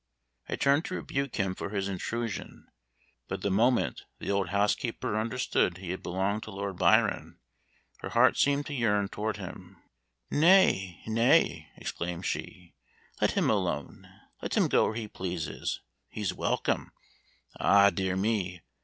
I turned to rebuke him for his intrusion, but the moment the old housekeeper understood he had belonged to Lord Byron, her heart seemed to yearn toward him. "Nay, nay," exclaimed she, "let him alone, let him go where he pleases. He's welcome. Ah, dear me!